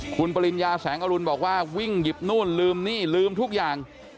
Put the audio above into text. คุณปริญญาแสงอรุณบอกว่าวิ่งหยิบนู่นลืมนี่ลืมทุกอย่าง